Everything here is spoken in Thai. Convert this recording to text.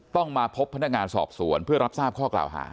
ต้องมาพบพนักงานสอบสวนเพื่อรับทราบข้อกล่าวหา